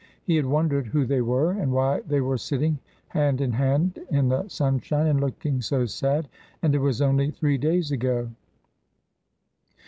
He had wondered who they were, and why they were sitting hand in hand in the sunshine, and looking so sad; and it was only three days ago.